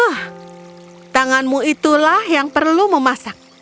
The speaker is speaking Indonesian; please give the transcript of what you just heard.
ah tanganmu itulah yang perlu memasak